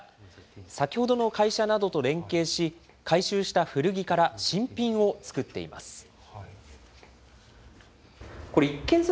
先ほどの会社などと連携し、回収した古着から新品を作っています。